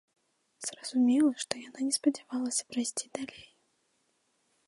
Зразумела, што яна не спадзявалася прайсці далей.